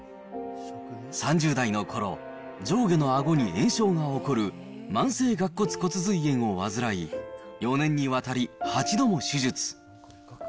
３０代のころ、上下のあごに炎症が起こる、慢性顎骨骨髄炎を患い、４年にわたり、８度も手術。